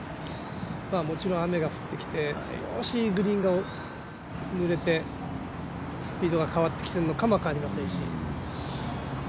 もちろん、雨が降ってきて少しグリーンがぬれてスピードが変わってきているのかも分かりませんし。